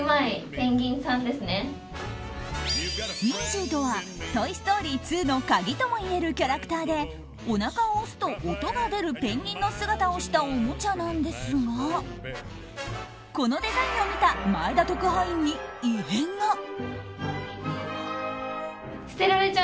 ウィージーとは「トイ・ストーリー２」の鍵ともいえるキャラクターでおなかを押すと音が出るペンギンの姿をしたおもちゃなんですがこのデザインを見た前田特派員に異変が。